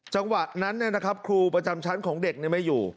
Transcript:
จังหวะนั้นครูประจำชั้นของเด็กไม่อยู่